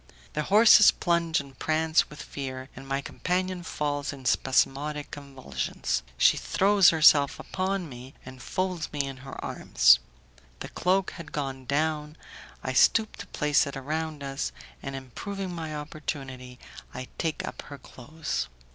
The horses plunge and prance with fear, and my companion falls in spasmodic convulsions. She throws herself upon me, and folds me in her arms. The cloak had gone down, I stoop to place it around us, and improving my opportunity I take up her clothes.